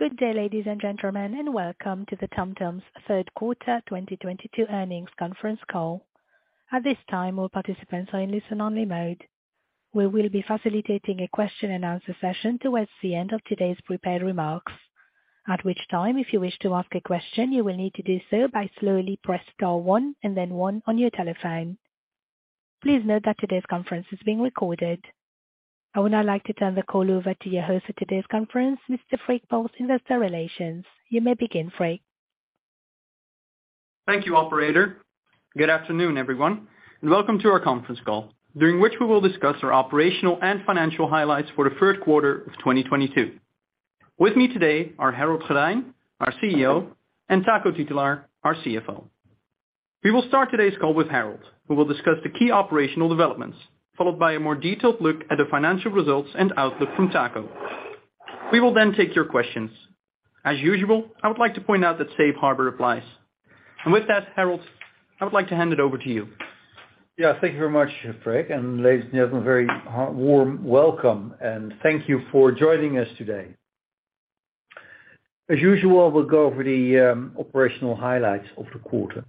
Good day, ladies and gentlemen, and welcome to TomTom's Third Quarter 2022 Earnings Conference Call. At this time, all participants are in listen-only mode. We will be facilitating a question-and-answer session towards the end of today's prepared remarks. At which time, if you wish to ask a question, you will need to do so by slowly press star one and then one on your telephone. Please note that today's conference is being recorded. I would now like to turn the call over to your host for today's conference, Mr. Freek Borst, Investor Relations. You may begin, Freek. Thank you, operator. Good afternoon, everyone, and welcome to our conference call, during which we will discuss our operational and financial highlights for the third quarter of 2022. With me today are Harold Goddijn, our CEO, and Taco Titulaer, our CFO. We will start today's call with Harold, who will discuss the key operational developments, followed by a more detailed look at the financial results and outlook from Taco. We will then take your questions. As usual, I would like to point out that safe harbor applies. With that, Harold, I would like to hand it over to you. Yeah. Thank you very much Freek. Ladies and gentlemen, a very warm welcome, and thank you for joining us today. As usual, we'll go over the operational highlights of the quarter.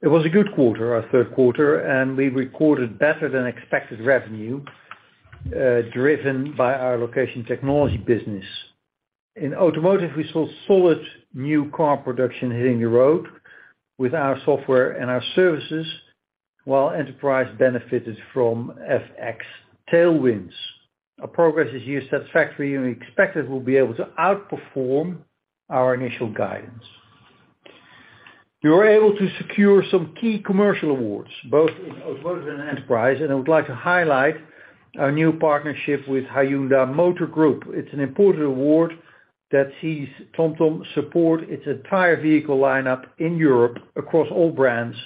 It was a good quarter, our third quarter, and we recorded better than expected revenue driven by our location technology business. In automotive, we saw solid new car production hitting the road with our software and our services, while enterprise benefited from FX Tailwinds. Our progress this year is satisfactory, and we expect that we'll be able to outperform our initial guidance. We were able to secure some key commercial awards, both in automotive and enterprise, and I would like to highlight our new partnership with Hyundai Motor Group. It's an important award that sees TomTom support its entire vehicle lineup in Europe across all brands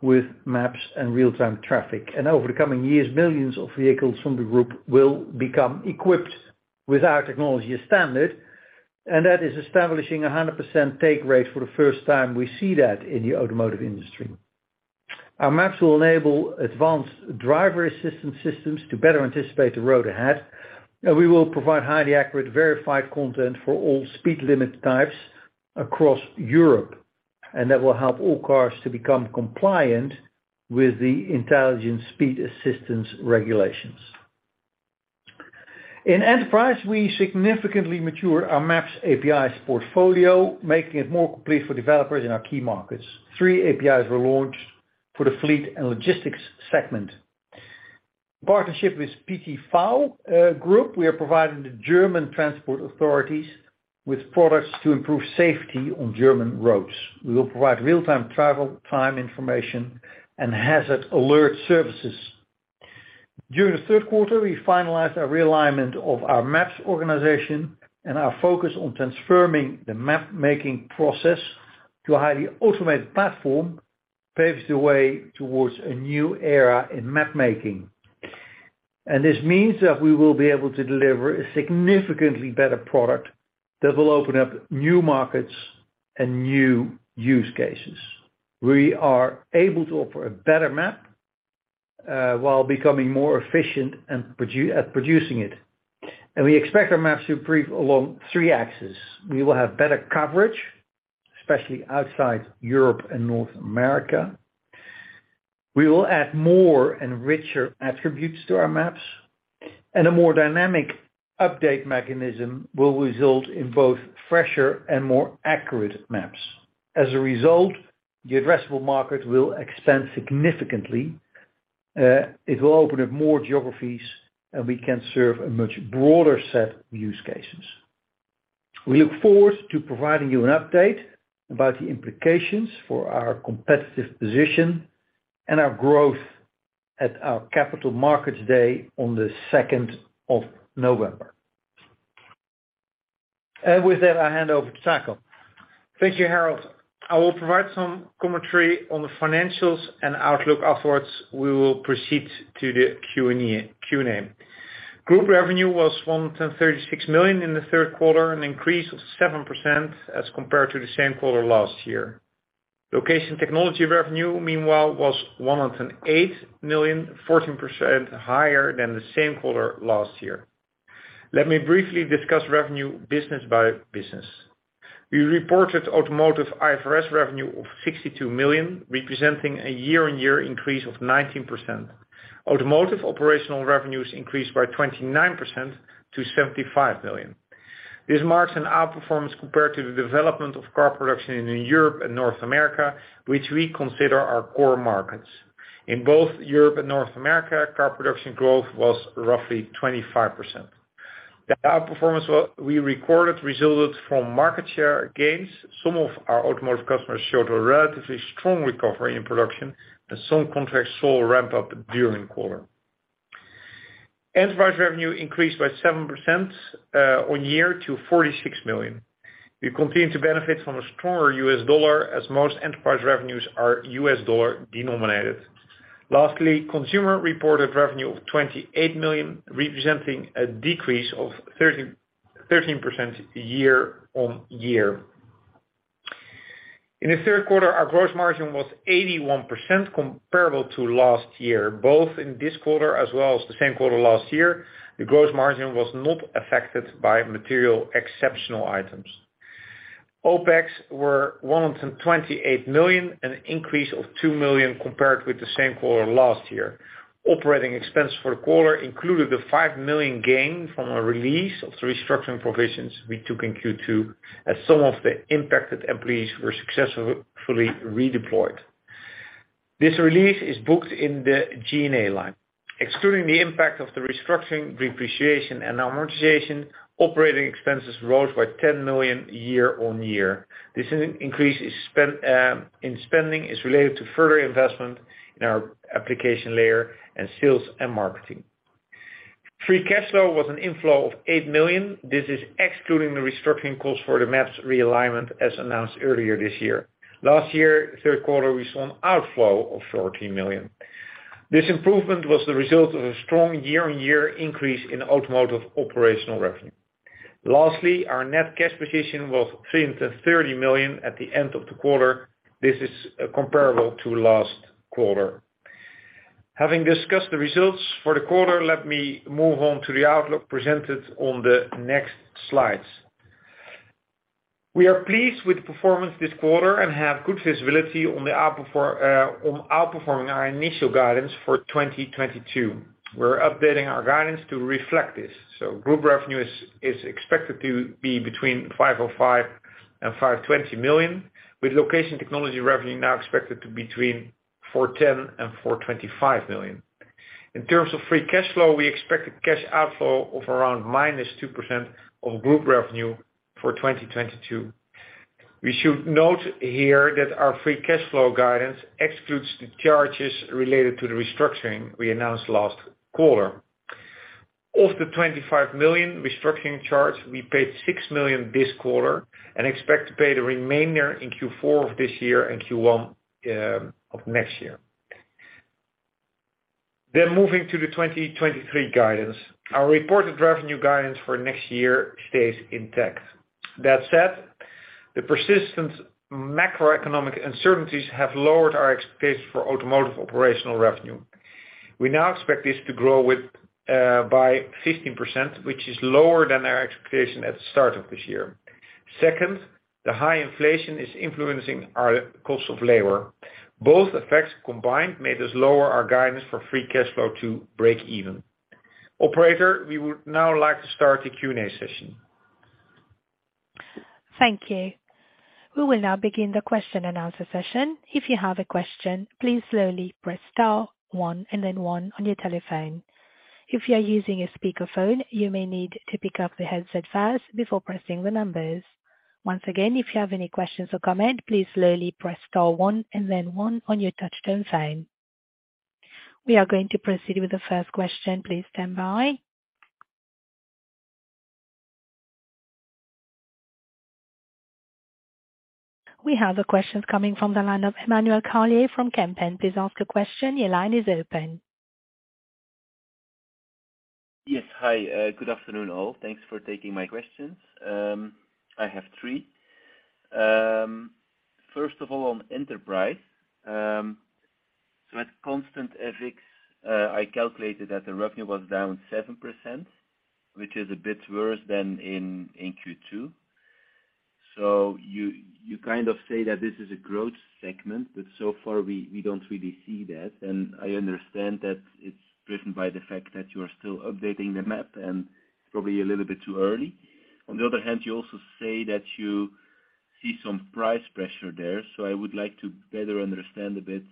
with maps and real-time traffic. Over the coming years, millions of vehicles from the group will become equipped with our technology as standard, and that is establishing a 100% take rate for the first time we see that in the automotive industry. Our maps will enable advanced driver assistance systems to better anticipate the road ahead, and we will provide highly accurate verified content for all speed limit types across Europe. That will help all cars to become compliant with the intelligent speed assistance regulations. In enterprise, we significantly matured our Maps APIs portfolio, making it more complete for developers in our key markets. Three APIs were launched for the fleet and logistics segment. Partnership with PTV Group, we are providing the German transport authorities with products to improve safety on German roads. We will provide real-time travel time information and hazard alert services. During the third quarter, we finalized our realignment of our maps organization and our focus on transforming the mapmaking process to a highly automated platform paves the way towards a new era in mapmaking. This means that we will be able to deliver a significantly better product that will open up new markets and new use cases. We are able to offer a better map while becoming more efficient and producing it. We expect our maps to improve along three axes. We will have better coverage, especially outside Europe and North America. We will add more and richer attributes to our maps, and a more dynamic update mechanism will result in both fresher and more accurate maps. As a result, the addressable market will expand significantly. It will open up more geographies, and we can serve a much broader set of use cases. We look forward to providing you an update about the implications for our competitive position and our growth at our Capital Markets Day on the second of November. With that, I hand over to Taco. Thank you, Harold. I will provide some commentary on the financials and outlook. Afterwards, we will proceed to the Q&A. Group revenue was 136 million in the third quarter, an increase of 7% as compared to the same quarter last year. Location technology revenue, meanwhile, was 108 million, 14% higher than the same quarter last year. Let me briefly discuss revenue business by business. We reported automotive IFRS revenue of 62 million, representing a year-on-year increase of 19%. Automotive operational revenues increased by 29% to 75 million. This marks an outperformance compared to the development of car production in Europe and North America, which we consider our core markets. In both Europe and North America, car production growth was roughly 25%. The outperformance we recorded resulted from market share gains. Some of our automotive customers showed a relatively strong recovery in production, and some contracts saw ramp up during the quarter. Enterprise revenue increased by 7% year on year to 46 million. We continue to benefit from a stronger U.S. dollar as most enterprise revenues are U.S. dollar denominated. Lastly, consumer reported revenue of 28 million, representing a decrease of 13% year on year. In the third quarter, our gross margin was 81% comparable to last year, both in this quarter as well as the same quarter last year. The gross margin was not affected by material exceptional items. OPEX were 128 million, an increase of 2 million compared with the same quarter last year. Operating expense for the quarter included the 5 million gain from a release of the restructuring provisions we took in Q2, as some of the impacted employees were successfully redeployed. This release is booked in the G&A line. Excluding the impact of the restructuring depreciation and amortization, operating expenses rose by 10 million year-on-year. This increase in spending is related to further investment in our application layer and sales and marketing. Free cash flow was an inflow of 8 million. This is excluding the restructuring costs for the maps realignment, as announced earlier this year. Last year, third quarter we saw an outflow of 14 million. This improvement was the result of a strong year-on-year increase in automotive operational revenue. Lastly, our net cash position was 30 million at the end of the quarter. This is comparable to last quarter. Having discussed the results for the quarter, let me move on to the outlook presented on the next slides. We are pleased with the performance this quarter and have good visibility on outperforming our initial guidance for 2022. We're updating our guidance to reflect this. Group revenue is expected to be between 505 million and 520 million, with location technology revenue now expected to be between 410 million and 425 million. In terms of free cash flow, we expect a cash outflow of around -2% of group revenue for 2022. We should note here that our free cash flow guidance excludes the charges related to the restructuring we announced last quarter. Of the 25 million restructuring charge, we paid 6 million this quarter and expect to pay the remainder in Q4 of this year and Q1 of next year. Moving to the 2023 guidance. Our reported revenue guidance for next year stays intact. That said, the persistent macroeconomic uncertainties have lowered our expectations for automotive operational revenue. We now expect this to grow by 15%, which is lower than our expectation at the start of this year. Second, the high inflation is influencing our cost of labor. Both effects combined made us lower our guidance for free cash flow to break even. Operator, we would now like to start the Q&A session. Thank you. We will now begin the question and answer session. If you have a question, please slowly press star one and then one on your telephone. If you are using a speaker phone, you may need to pick up the headset first before pressing the numbers. Once again, if you have any questions or comments, please slowly press star one and then one on your touchtone phone. We are going to proceed with the first question. Please stand by. We have a question coming from the line of Emmanuel Carlier from Kempen. Please ask a question. Your line is open. Yes. Hi. Good afternoon, all. Thanks for taking my questions. I have three. First of all on enterprise. At constant FX, I calculated that the revenue was down 7%, which is a bit worse than in Q2. You kind of say that this is a growth segment, but so far we don't really see that. I understand that it's driven by the fact that you are still updating the map and probably a little bit too early. On the other hand, you also say that you see some price pressure there. I would like to better understand a bit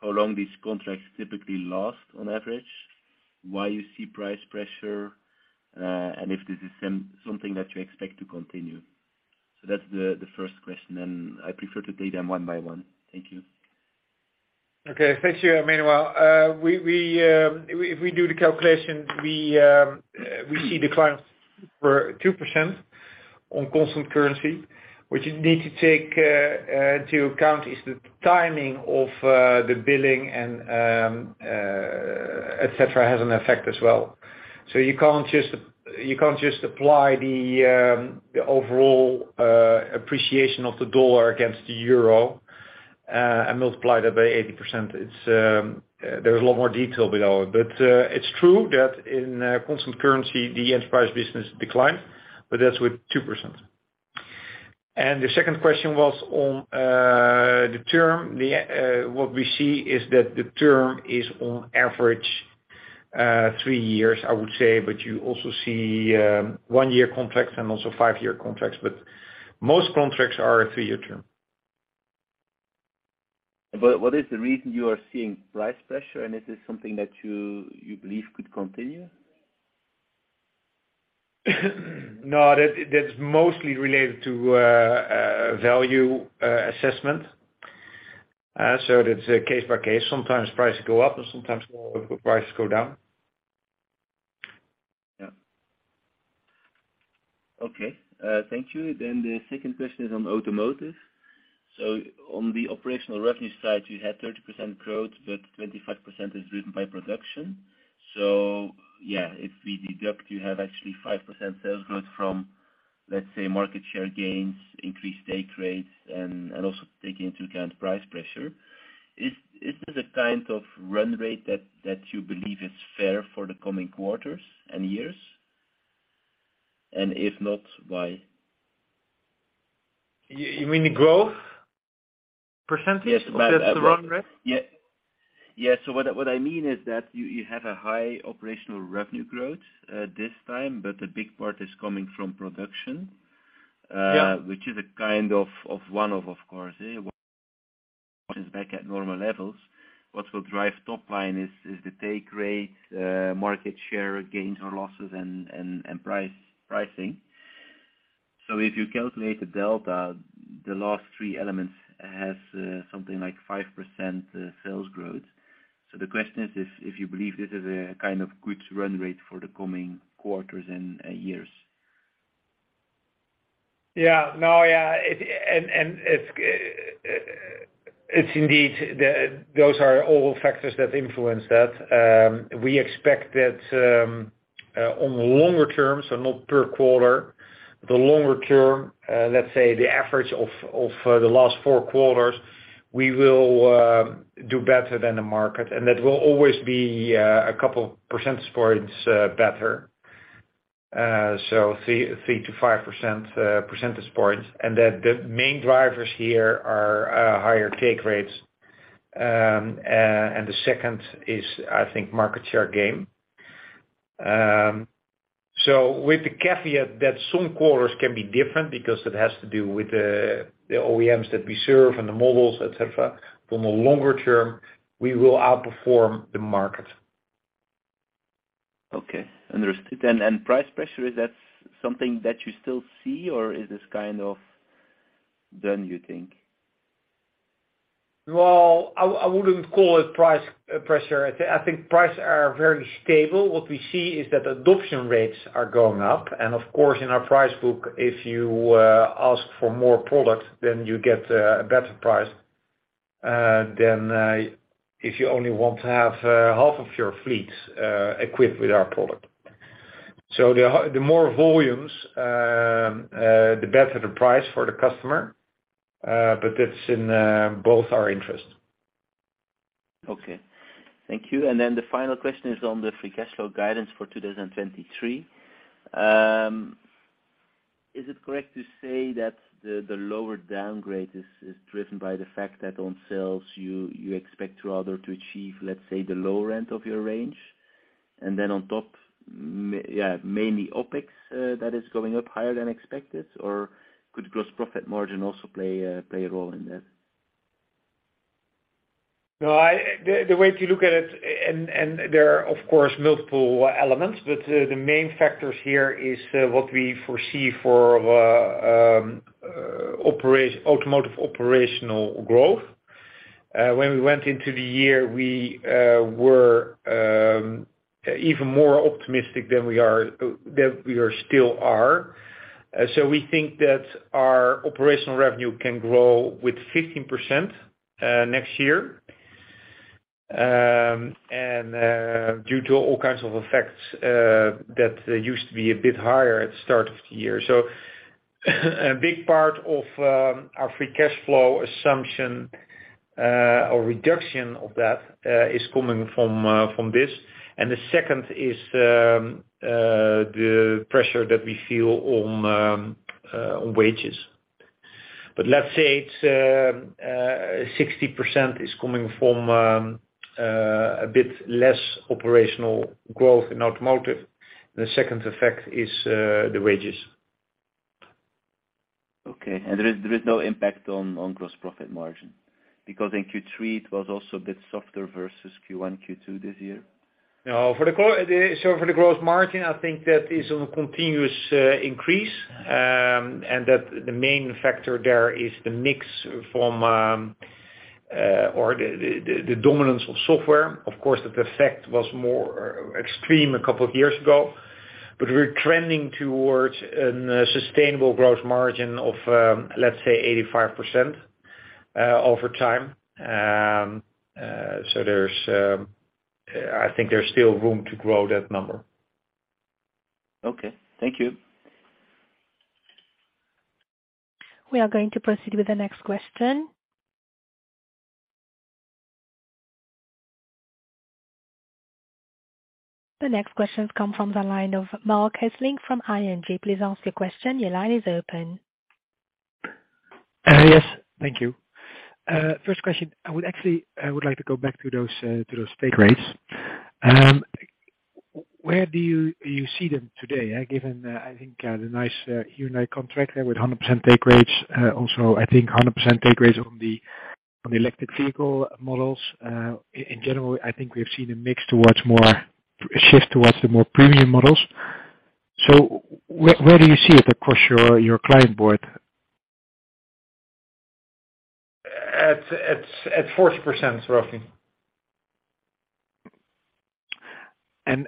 how long these contracts typically last on average, why you see price pressure, and if this is something that you expect to continue. That's the first question, and I prefer to take them one by one. Thank you. Okay. Thank you, Emmanuel. If we do the calculation, we see decline for 2% on constant currency. What you need to take into account is the timing of the billing and etc., has an effect as well. You can't just apply the overall appreciation of the dollar against the euro and multiply that by 80%. It's. There's a lot more detail below it. It's true that in constant currency, the enterprise business declined, but that's with 2%. The second question was on the term. What we see is that the term is on average three years, I would say. You also see one-year contracts and also five-year contracts. Most contracts are a three-year term. What is the reason you are seeing price pressure and is this something that you believe could continue? No, that's mostly related to value assessment. That's case by case. Sometimes prices go up and sometimes prices go down. Yeah. Okay, thank you. The second question is on automotive. On the operational revenue side, you had 30% growth, but 25% is driven by production. Yeah, if we deduct, you have actually 5% sales growth from, let's say, market share gains, increased take rates and also taking into account price pressure. Is this a kind of run rate that you believe is fair for the coming quarters and years? If not, why? You mean the growth percentage? Yes. The run rate? Yeah. What I mean is that you have a high operational revenue growth, this time, but the big part is coming from production. Yeah Which is a kind of one-off of course. Yeah. When it's back at normal levels, what will drive top line is the take rate, market share gains or losses and pricing. If you calculate the delta, the last three elements has something like 5% sales growth. The question is if you believe this is a kind of good run rate for the coming quarters and years. Those are all factors that influence that. We expect that, on the longer term, so not per quarter, the longer term, let's say the average of the last fourth quarters, we will do better than the market. That will always be a couple percentage points better. 3-5 percentage points. The main drivers here are higher take rates. The second is, I think, market share gain. With the caveat that some quarters can be different because it has to do with the OEMs that we serve and the models, etc. In the longer term, we will outperform the market. Okay. Understood. Price pressure, is that something that you still see or is this kind of done, you think? Well, I wouldn't call it price pressure. I think prices are very stable. What we see is that adoption rates are going up. Of course, in our price book, if you ask for more product, then you get a better price than if you only want to have half of your fleet equipped with our product. The more volumes, the better the price for the customer, but that's in both our interests. Okay. Thank you. The final question is on the free cash flow guidance for 2023. Is it correct to say that the lower downgrade is driven by the fact that on sales you expect rather to achieve, let's say, the lower end of your range? Then on top, mainly OpEx that is going up higher than expected? Or could gross profit margin also play a role in that? No, the way to look at it, there are of course multiple elements, but the main factors here is what we foresee for automotive operational growth. When we went into the year, we were even more optimistic than we still are. We think that our operational revenue can grow with 15%, next year. Due to all kinds of effects, that used to be a bit higher at the start of the year. A big part of our free cash flow assumption or reduction of that is coming from this. The second is the pressure that we feel on wages. Let's say it's 60% is coming from a bit less operational growth in automotive. The second effect is the wages. Okay. There is no impact on gross profit margin. Because in Q3 it was also a bit softer versus Q1, Q2 this year. No. For the gross margin, I think that is on a continuous increase. The main factor there is the mix or the dominance of software. Of course, the effect was more extreme a couple of years ago, but we're trending towards a sustainable gross margin of, let's say 85%, over time. I think there's still room to grow that number. Okay. Thank you. We are going to proceed with the next question. The next question come from the line of Marc Hesselink from ING. Please ask your question. Your line is open. Yes. Thank you. First question. I would actually like to go back to those take rates. Where do you see them today, given I think the nice Hyundai contract there with 100% take rates? Also, I think 100% take rates on the electric vehicle models. In general, I think we have seen a mix towards more premium models. A shift towards the more premium models. Where do you see it across your client base? At 40% roughly. Is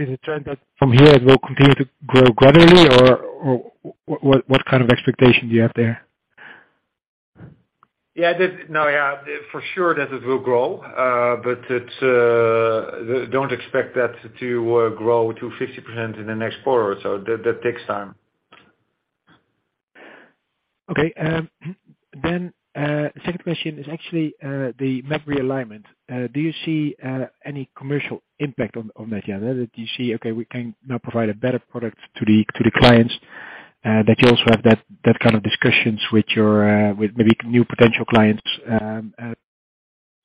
it a trend that from here it will continue to grow gradually or what kind of expectation do you have there? Yeah, for sure that it will grow, but don't expect that to grow to 50% in the next quarter. That takes time. Okay. Second question is actually the map realignment. Do you see any commercial impact on that? Yeah. Do you see okay we can now provide a better product to the clients that you also have that kind of discussions with your with maybe new potential clients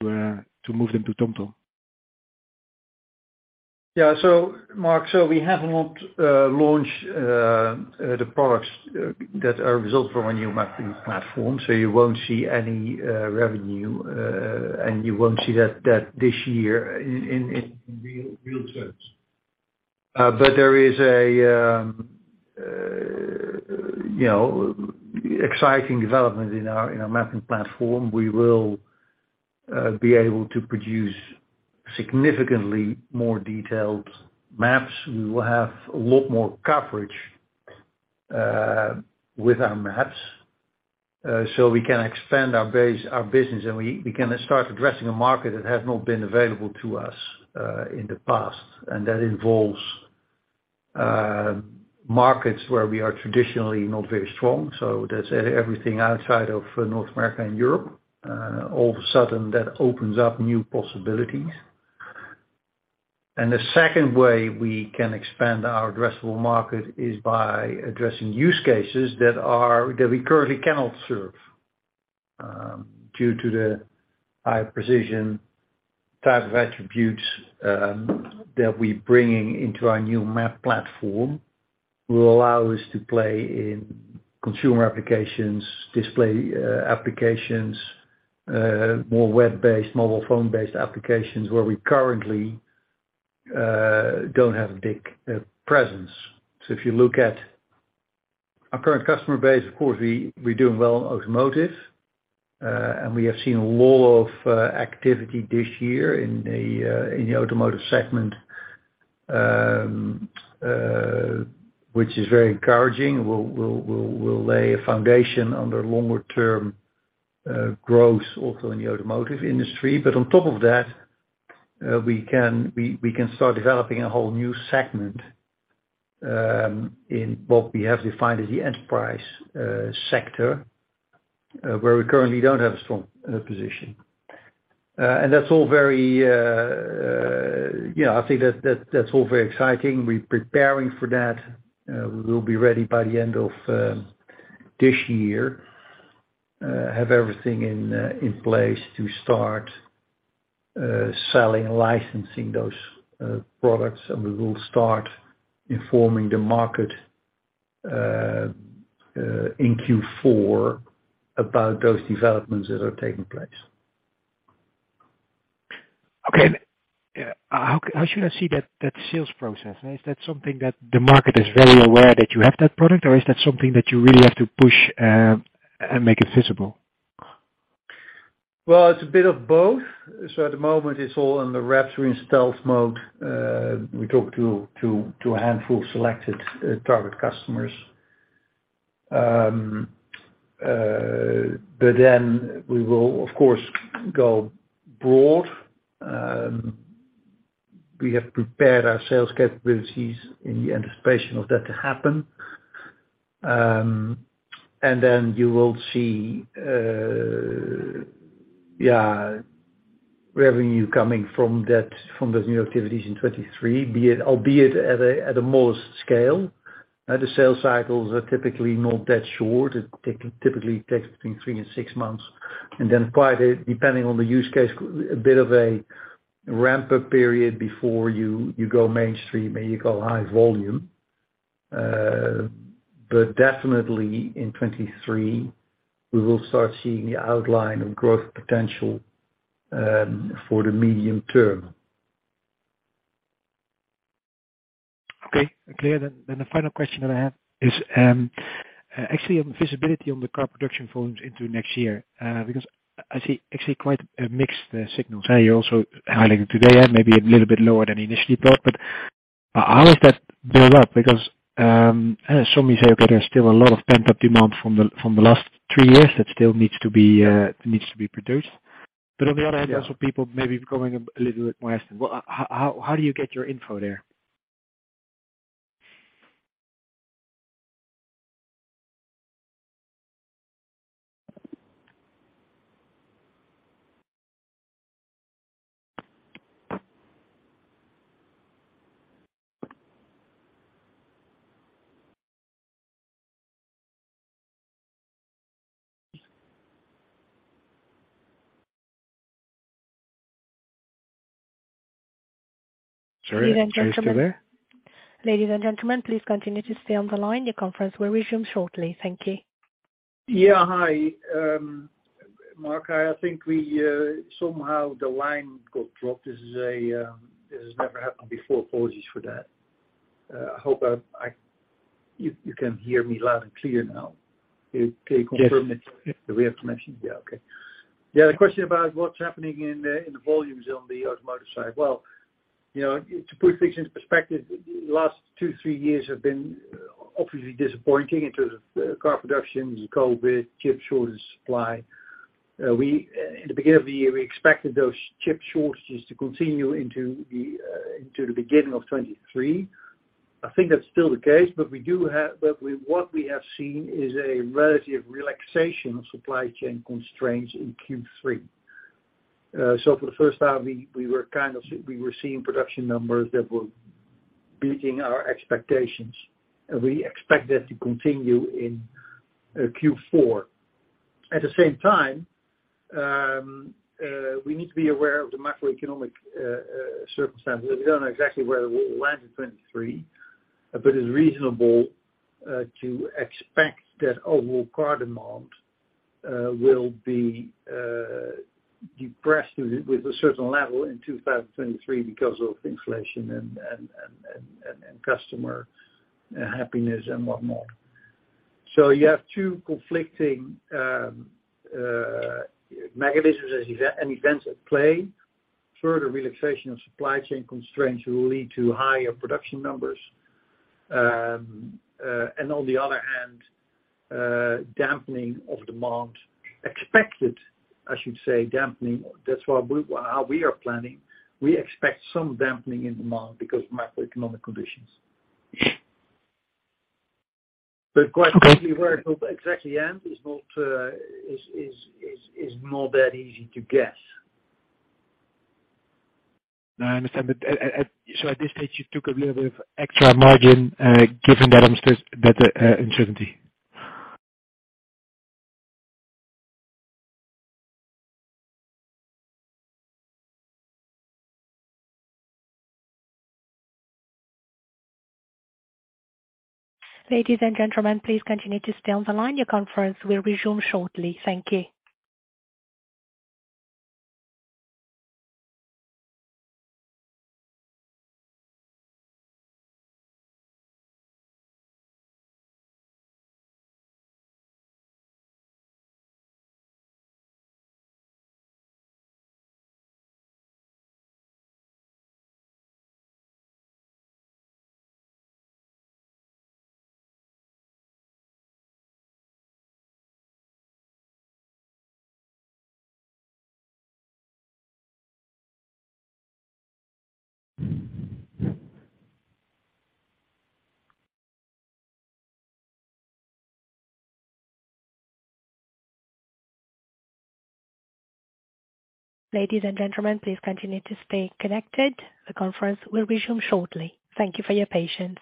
to move them to TomTom? Yeah. Marc, we have not launched the products that are a result from our new mapping platform. You won't see any revenue, and you won't see that this year in real terms. There is, you know, exciting development in our mapping platform. We will be able to produce significantly more detailed maps. We will have a lot more coverage with our maps, so we can expand our base, our business, and we can start addressing a market that has not been available to us in the past. That involves markets where we are traditionally not very strong. That's everything outside of North America and Europe. All of a sudden, that opens up new possibilities. The second way we can expand our addressable market is by addressing use cases that we currently cannot serve due to the high precision type of attributes that we're bringing into our new map platform will allow us to play in consumer applications, display applications, more web-based, mobile phone-based applications where we currently don't have a big presence. If you look at our current customer base, of course we're doing well in automotive. We have seen a lot of activity this year in the automotive segment, which is very encouraging. We'll lay a foundation under longer term growth also in the automotive industry. On top of that, we can start developing a whole new segment in what we have defined as the enterprise sector where we currently don't have a strong position. That's all very, you know, I think that's all very exciting. We're preparing for that. We'll be ready by the end of this year. Have everything in place to start selling and licensing those products. We will start informing the market in Q4 about those developments that are taking place. Okay. How should I see that sales process? Is that something that the market is very aware that you have that product, or is that something that you really have to push, and make it visible? Well, it's a bit of both. At the moment it's all under wraps. We're in stealth mode. We talk to a handful of selected target customers, but then we will of course go broad. We have prepared our sales capabilities in the anticipation of that to happen. Then you will see, yeah, revenue coming from that, from those new activities in 2023, albeit at a modest scale. The sales cycles are typically not that short. It typically takes between three and six months. Then quite, depending on the use case, a bit of a ramp up period before you go mainstream and you go high volume, but definitely in 2023, we will start seeing the outline of growth potential, for the medium term. Okay. Clear. The final question that I have is actually on visibility on the car production volumes into next year. Because I see actually quite mixed signals. You're also highlighting today, maybe a little bit lower than initially planned, but how is that build up? Because some may say, okay, there's still a lot of pent up demand from the last three years that still needs to be produced, but on the other hand. Yeah. Also people may be becoming a little bit more hesitant. Well, how do you get your info there? Sorry. Are you still there? Ladies and gentlemen. Ladies and gentlemen, please continue to stay on the line. The conference will resume shortly. Thank you. Hi, Marc. I think we somehow the line got dropped. This has never happened before. Apologies for that. I hope you can hear me loud and clear now. Can you confirm if- Yes. We have connection? Yeah. Okay. Yeah, the question about what's happening in the volumes on the automotive side. Well, you know, to put things into perspective, the last 2-3 years have been obviously disappointing in terms of car production, COVID, chip shortage supply. We in the beginning of the year expected those chip shortages to continue into the beginning of 2023. I think that's still the case, but what we have seen is a relative relaxation of supply chain constraints in Q3. For the first time, we were seeing production numbers that were beating our expectations, and we expect that to continue in Q4. At the same time, we need to be aware of the macroeconomic circumstances. We don't know exactly where we'll land in 2023, but it's reasonable to expect that overall car demand will be depressed with a certain level in 2023 because of inflation and customer happiness and what not. You have two conflicting mechanisms and events at play. Further relaxation of supply chain constraints will lead to higher production numbers. On the other hand, dampening of demand expected, I should say, dampening. That's why. How we are planning, we expect some dampening in demand because of macroeconomic conditions. Okay. Quite possibly where it will exactly end is not that easy to guess. I understand. At this stage, you took a little bit of extra margin, given that uncertainty. Ladies and gentlemen, please continue to stay on the line. Your conference will resume shortly. Thank you. Ladies and gentlemen, please continue to stay connected. The conference will resume shortly. Thank you for your patience.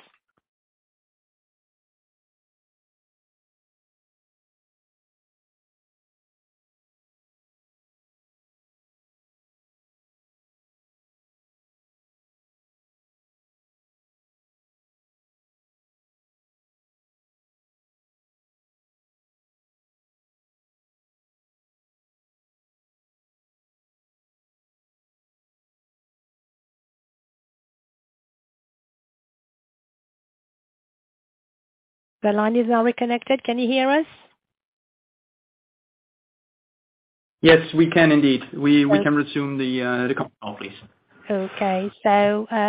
The line is now reconnected. Can you hear us? Yes, we can indeed. Great. We can resume the call, please. Okay.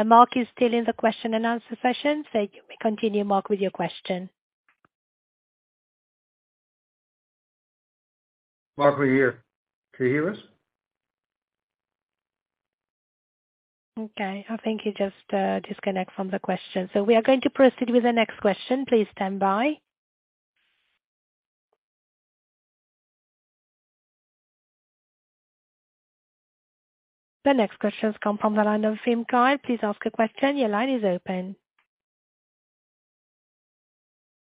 Marc is still in the question and answer session. Continue, Marc, with your question. Marc, we're here. Can you hear us? Okay. I think you just disconnected from the question. We are going to proceed with the next question. Please stand by. The next questions come from the line of Willem Strijbosch. Please ask a question. Your line is open.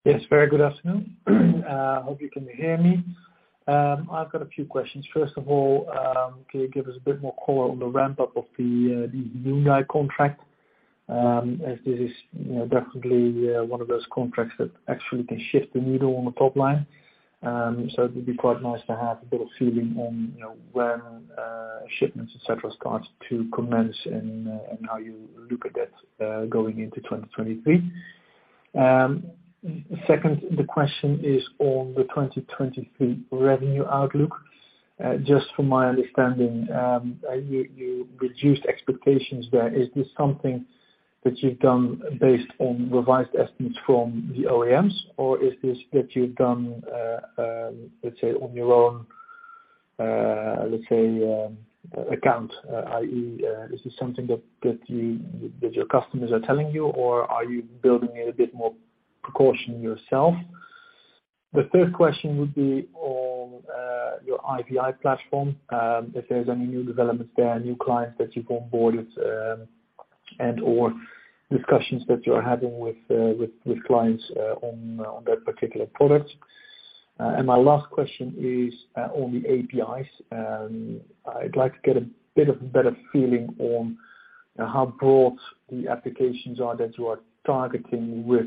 Yes, very good afternoon. Hope you can hear me. I've got a few questions. First of all, can you give us a bit more color on the ramp-up of the new Hyundai contract, as this is, you know, definitely, one of those contracts that actually can shift the needle on the top line. It would be quite nice to have a bit of feeling on, you know, when shipments, etc., starts to commence and how you look at that, going into 2023. Second, the question is on the 2023 revenue outlook. Just from my understanding, you reduced expectations there. Is this something that you've done based on revised estimates from the OEMs, or is this something that you've done on your own account, i.e., is this something that your customers are telling you, or are you building in a bit more precaution yourself? The third question would be on your IVI platform, if there's any new developments there, new clients that you've onboarded, and/or discussions that you're having with clients on that particular product. My last question is on the APIs. I'd like to get a bit of a better feeling on how broad the applications are that you are targeting with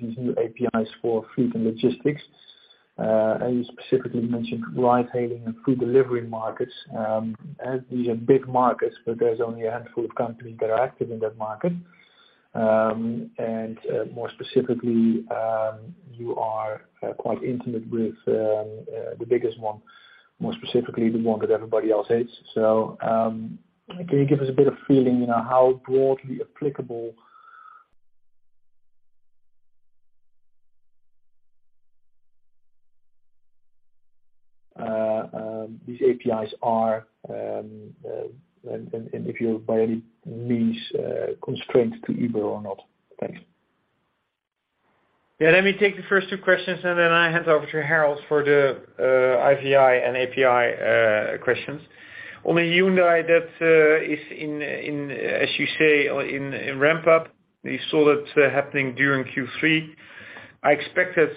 these new APIs for fleet and logistics. You specifically mentioned ride hailing and food delivery markets. These are big markets, but there's only a handful of companies that are active in that market. More specifically, you are quite intimate with the biggest one, more specifically the one that everybody else hates. Can you give us a bit of feeling, you know, how broadly applicable these APIs are, and if you're by any means constrained to either or not? Thanks. Yeah. Let me take the first two questions, and then I hand over to Harold for the IVI and API questions. On the Hyundai that is in, as you say, ramp up, we saw that happening during Q3. I expect it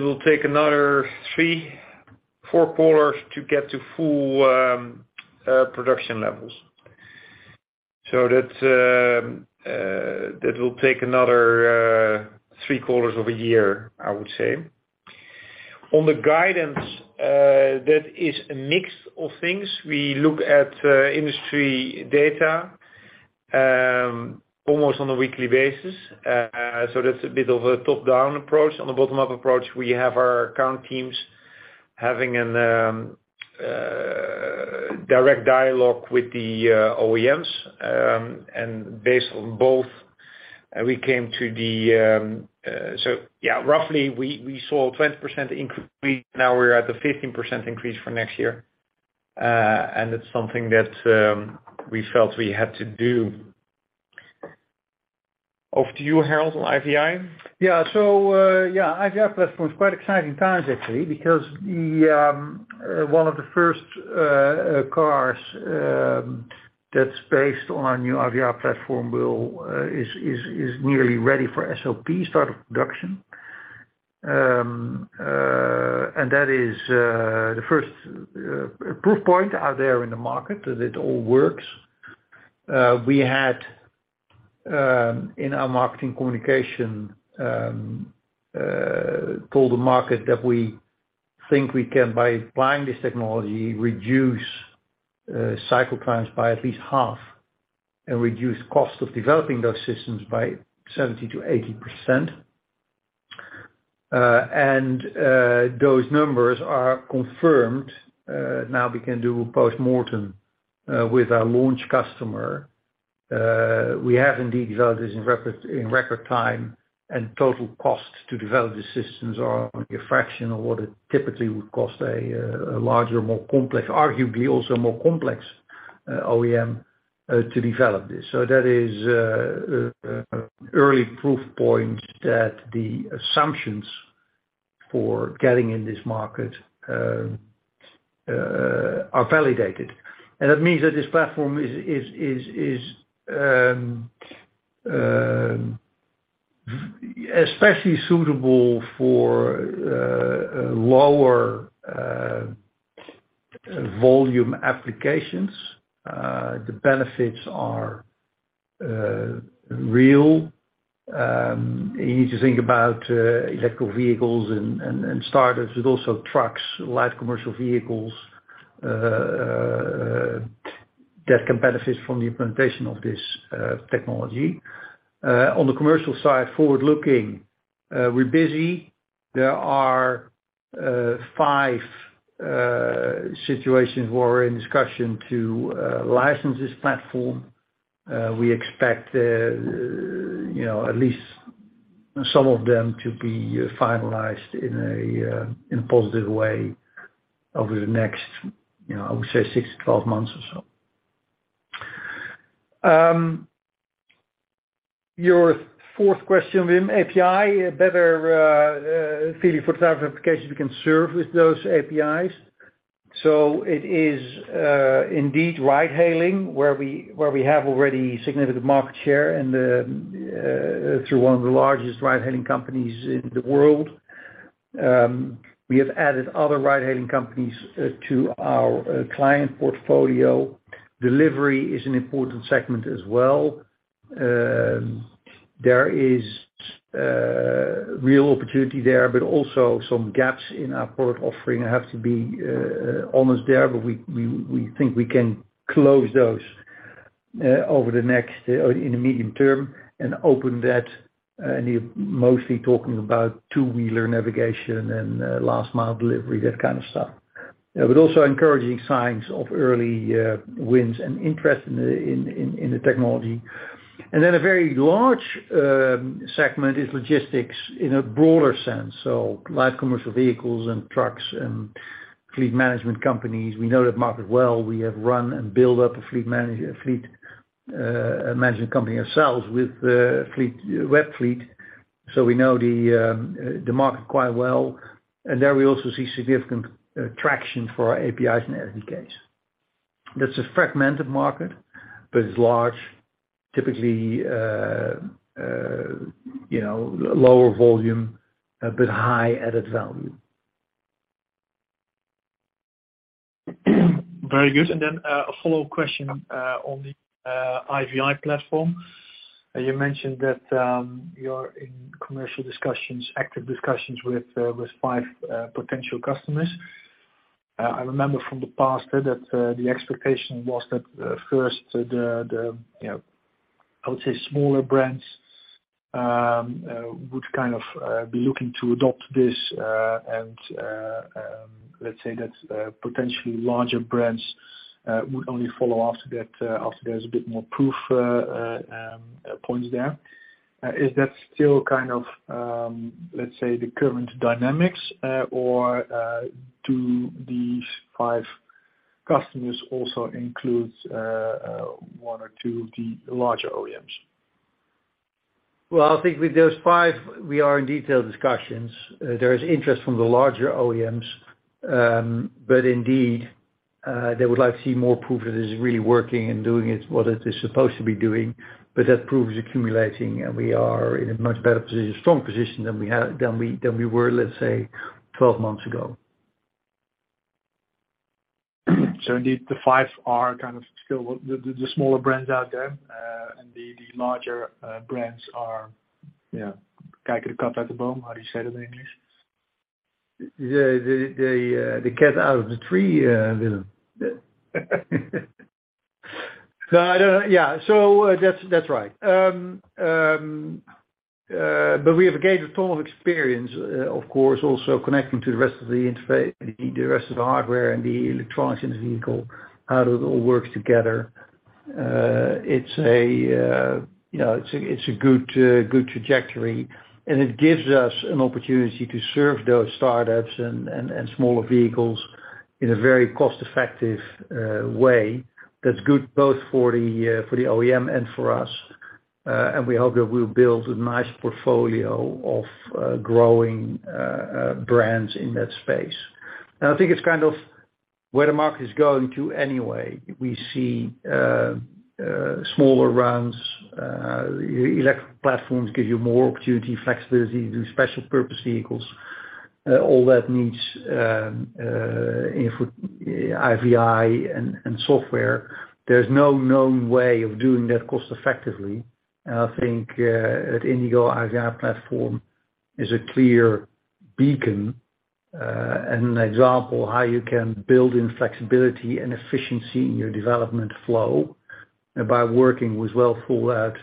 will take another 3-4 quarters to get to full production levels. That will take another three quarters of a year, I would say. On the guidance, that is a mix of things. We look at industry data almost on a weekly basis. That's a bit of a top-down approach. On the bottom-up approach, we have our account teams having a direct dialogue with the OEMs. Based on both, roughly we saw a 20% increase. Now we're at the 15% increase for next year. That's something that we felt we had to do. Over to you, Harold, on IVI. The IVI platform is quite exciting times actually, because one of the first cars that's based on our new IVI platform is nearly ready for SOP, start of production. That is the first proof point out there in the market that it all works. We had in our marketing communication told the market that we think we can, by applying this technology, reduce cycle times by at least half and reduce cost of developing those systems by 70%-80%. Those numbers are confirmed. Now we can do post-mortem with our launch customer. We have indeed developed this in record time, and total costs to develop the systems are only a fraction of what it typically would cost a larger, more complex, arguably also more complex OEM to develop this. That is an early proof point that the assumptions for getting in this market are validated. That means that this platform is especially suitable for lower volume applications. The benefits are real. You need to think about electric vehicles and startups., but also trucks, light commercial vehicles that can benefit from the implementation of this technology. On the commercial side, forward-looking, we're busy. There are five situations where we're in discussion to license this platform. We expect, you know, at least some of them to be finalized in a positive way over the next, you know, I would say 6 to 12 months or so. Your fourth question, Wim, APIs, a better feeling for type of applications we can serve with those APIs. It is indeed ride-hailing, where we have already significant market share and through one of the largest ride-hailing companies in the world. We have added other ride-hailing companies to our client portfolio. Delivery is an important segment as well. There is real opportunity there, but also some gaps in our product offering have to be almost there. We think we can close those over the next in the medium term and open that, and you're mostly talking about two-wheeler navigation and last mile delivery, that kind of stuff. Also encouraging signs of early wins and interest in the technology. Then a very large segment is logistics in a broader sense, so light commercial vehicles and trucks and fleet management companies. We know that market well. We have run and built up a fleet management company ourselves with Webfleet. We know the market quite well. There we also see significant traction for our APIs and SDKs. That's a fragmented market, but it's large, typically, you know, lower volume, but high added value. Very good. A follow-up question on the IVI platform. You mentioned that you're in commercial discussions, active discussions with five potential customers. I remember from the past that the expectation was that first, the you know I would say smaller brands would kind of be looking to adopt this. Let's say that potentially larger brands would only follow after that, after there's a bit more proof points there. Is that still kind of let's say the current dynamics, or do these five customers also includes one or two of the larger OEMs? Well, I think with those five we are in detailed discussions. There is interest from the larger OEMs, but indeed, they would like to see more proof that it is really working and doing what it is supposed to be doing. That proof is accumulating, and we are in a much better position, strong position than we were, let's say 12 months ago. Indeed the five are kind of still the smaller brands out there. The larger brands are- Yeah. How do you say it in English? The cat out of the tree, Willem. No, I don't. Yeah. That's right. We have gained a ton of experience, of course, also connecting to the rest of the hardware and the electronics in the vehicle, how it all works together. It's, you know, a good trajectory, and it gives us an opportunity to serve those startups and smaller vehicles in a very cost-effective way that's good both for the OEM and for us. We hope that we'll build a nice portfolio of growing brands in that space. I think it's kind of where the market is going to anyway. We see smaller rounds. Electric platforms give you more opportunity, flexibility to do special purpose vehicles. All that needs IVI and software. There's no known way of doing that cost effectively. I think at IndiGO, IVI platform is a clear beacon and an example how you can build in flexibility and efficiency in your development flow by working with well-thought-out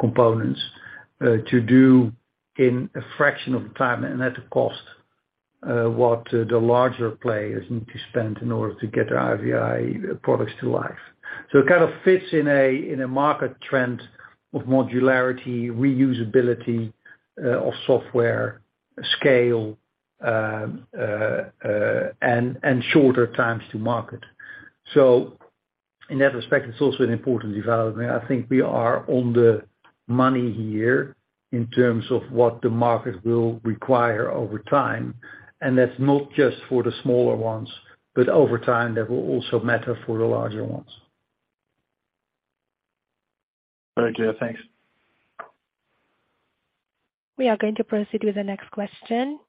components to do in a fraction of the time and at a cost what the larger players need to spend in order to get their IVI products to life. It kind of fits in a market trend of modularity, reusability of software scale and shorter times to market. In that respect, it's also an important development. I think we are on the money here in terms of what the market will require over time. That's not just for the smaller ones, but over time that will also matter for the larger ones. Very clear. Thanks. We are going to proceed with the next question.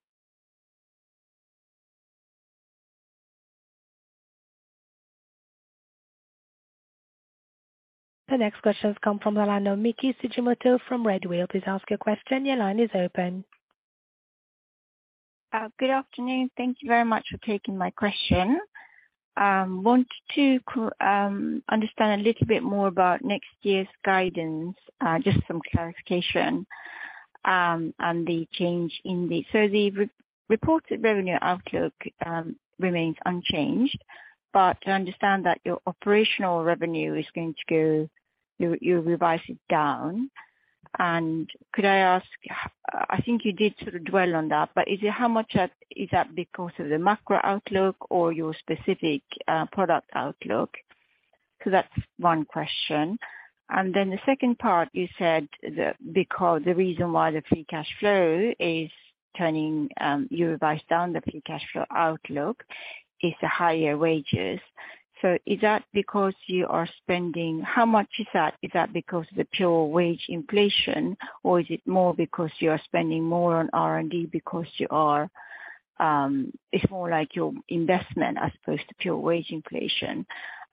The next question comes from the line of Miki Sugimoto from Redwheel. Please ask your question. Your line is open. Good afternoon. Thank you very much for taking my question. Wanted to understand a little bit more about next year's guidance, just some clarification on the change in the re-reported revenue outlook remains unchanged, but I understand that your operational revenue is going to go, you revised it down. Could I ask, I think you did sort of dwell on that, but is it, how much of it is that because of the macro outlook or your specific product outlook? That's one question. Then the second part, you said the, because the reason why the free cash flow is turning, you revised down the free cash flow outlook is the higher wages. Is that because you are spending? How much is that? Is that because of the pure wage inflation, or is it more because you are spending more on R&D because you are, it's more like your investment as opposed to pure wage inflation?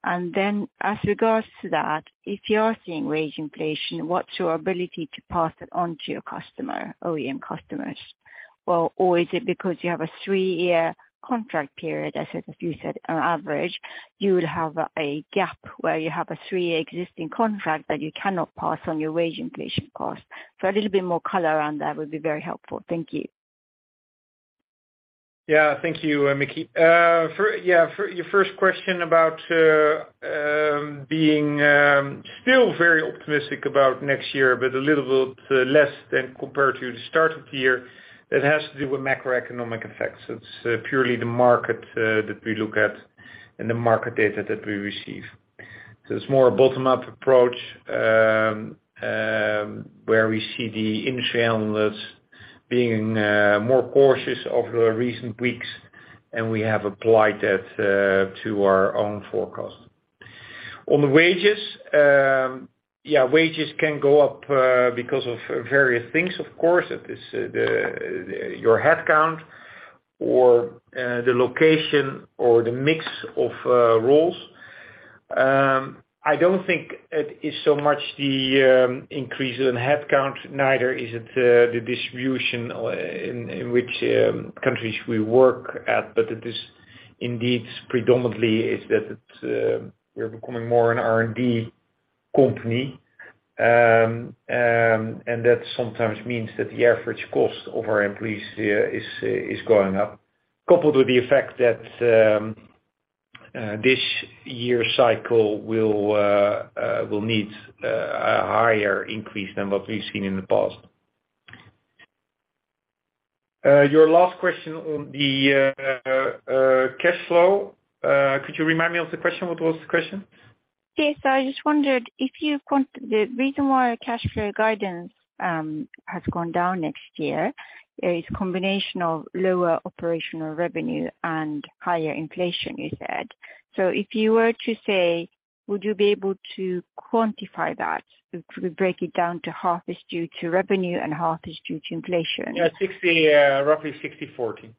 As regards to that, if you are seeing wage inflation, what's your ability to pass it on to your customer, OEM customers? Or is it because you have a three-year contract period, as you said, on average, you would have a gap where you have a three-year existing contract that you cannot pass on your wage inflation cost? A little bit more color around that would be very helpful. Thank you. Yeah. Thank you, Miki. For your first question about being still very optimistic about next year, but a little bit less than compared to the start of the year. That has to do with macroeconomic effects. It's purely the market that we look at and the market data that we receive. It's more a bottom-up approach where we see the industry analysts being more cautious over the recent weeks. We have applied that to our own forecast. On the wages, yeah, wages can go up because of various things, of course. It is your headcount or the location or the mix of roles. I don't think it is so much the increase in headcount, neither is it the distribution or in which countries we work at, but it is indeed predominantly that it's we're becoming more an R&D company. That sometimes means that the average cost of our employees is going up. Coupled with the effect that this year's cycle will need a higher increase than what we've seen in the past. Your last question on the cash flow. Could you remind me of the question? What was the question? Yes. I just wondered if you quantify the reason why cash flow guidance has gone down next year is combination of lower operational revenue and higher inflation, you said. If you were to say, would you be able to quantify that, to break it down to half is due to revenue and half is due to inflation. Yeah. Roughly 60/40.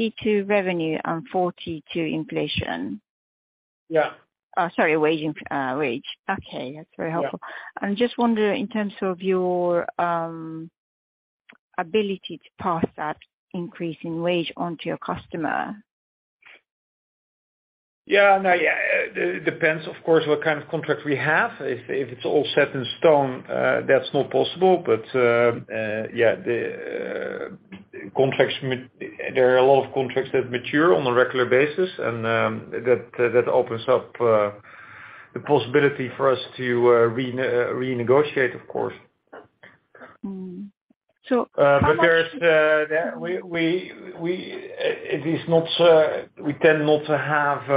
60% to revenue and 40% to inflation. Yeah. Okay. Yeah. That's very helpful. I'm just wondering in terms of your ability to pass that increase in wage on to your customer. Yeah, no, yeah. Depends, of course, what kind of contract we have. If it's all set in stone, that's not possible. There are a lot of contracts that mature on a regular basis, and that opens up the possibility for us to renegotiate, of course. How much- We tend not to have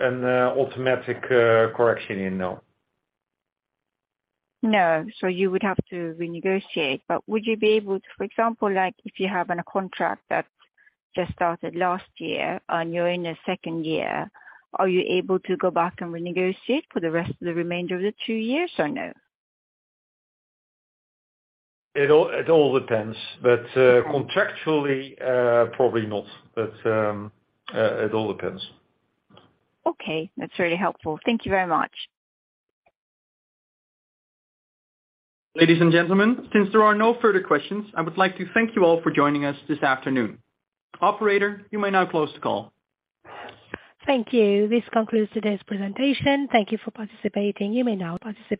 an automatic correction, you know. No. You would have to renegotiate. Would you be able to, for example, like if you have a contract that just started last year and you're in the second year, are you able to go back and renegotiate for the rest of the remainder of the two years or no? It all depends. Contractually, probably not, but it all depends. Okay. That's really helpful. Thank you very much. Ladies and gentlemen, since there are no further questions, I would like to thank you all for joining us this afternoon. Operator, you may now close the call. Thank you. This concludes today's presentation. Thank you for participating. You may now participate